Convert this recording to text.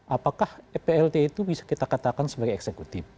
apakah plt itu bisa kita katakan sebagai eksekutif